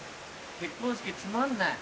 結婚式つまんない。